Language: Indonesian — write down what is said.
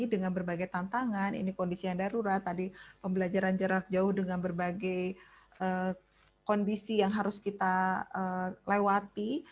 dengan berbagai tantangan ini kondisi yang darurat tadi pembelajaran jarak jauh dengan berbagai kondisi yang harus kita lewati